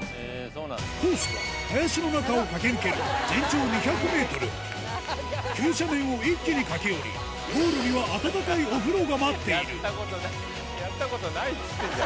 コースは林の中を駆け抜ける急斜面を一気に駆け下りゴールには温かいお風呂が待っているやったことないっつってんじゃん。